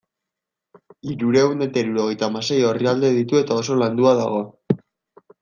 Hirurehun eta hirurogeita hamasei orrialde ditu eta oso landua dago.